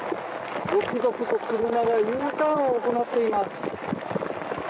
続々と、車がＵターンを行っています。